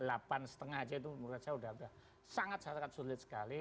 delapan lima aja itu menurut saya sudah sangat sangat sulit sekali